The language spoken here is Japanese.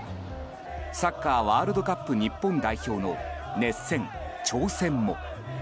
サッカーワールドカップ日本代表の熱戦、挑戦も。